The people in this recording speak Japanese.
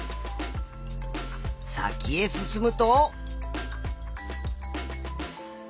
先へ進むと。